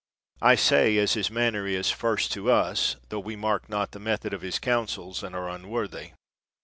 I say, as His manner is, first to us, tho we mark not the method of His counsels, and are unworthy.